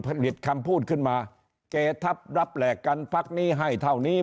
หยิบคำพูดขึ้นมาเกทับรับแหลกกันพักนี้ให้เท่านี้